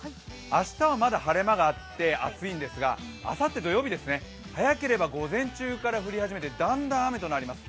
明日はまだ晴れ間があって暑いんですがあさって土曜日、早ければ午前中から降り始めてだんだん雨となります。